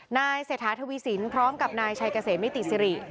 นายเศรษฐาทวีสินพร้อมกับนายชัยเกษมนิติสิริ